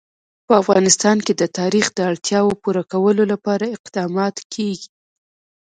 په افغانستان کې د تاریخ د اړتیاوو پوره کولو لپاره اقدامات کېږي.